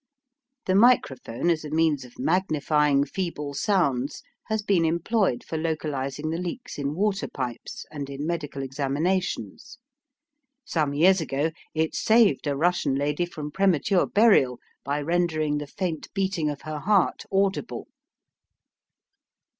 The microphone as a means of magnifying feeble sounds has been employed for localising the leaks in water pipes and in medical examinations. Some years ago it saved a Russian lady from premature burial by rendering the faint beating of her heart audible.